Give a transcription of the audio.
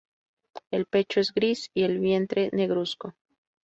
El pecho es gris y el vientre negruzco.